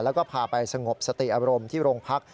แล้วก็พาไปสงบสติอารมณ์ที่โรงพัก